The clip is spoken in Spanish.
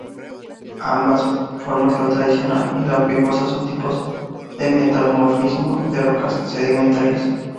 Ambas formas, la tradicional y la fibrosa son tipos de metamorfismo de rocas sedimentarias.